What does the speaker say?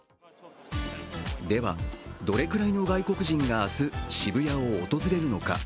では、どれくらいの外国人が明日、渋谷を訪れるのか。